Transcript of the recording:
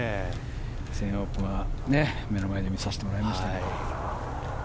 全英オープンは目の前で見させてもらいました。